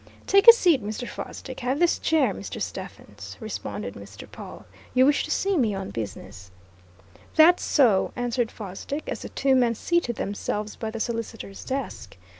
"Take a seat, Mr. Fosdick have this chair, Mr. Stephens," responded Mr. Pawle. "You wish to see me on business?" "That's so," answered Fosdick as the two men seated themselves by the solicitor's desk.